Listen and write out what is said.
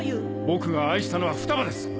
僕が愛したのは二葉です